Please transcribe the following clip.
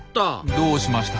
どうしました？